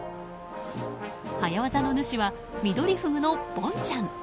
早業の主はミドリフグのボンちゃん。